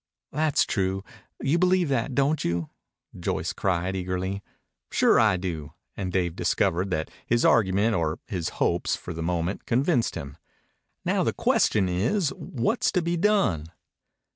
"That's true. You believe that, don't you?" Joyce cried eagerly. "Sure I do." And Dave discovered that his argument or his hopes had for the moment convinced him. "Now the question is, what's to be done?"